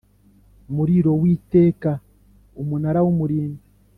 muriro w iteka Umunara w Umurinzi